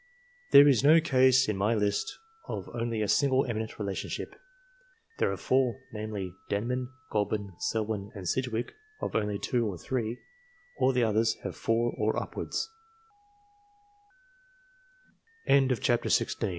There is no case in my list of only a single eminent relationship. There are four, namely Denman, Goulburn, Selwyn, and Sidgwick, of only two or three ; all the others have four or upw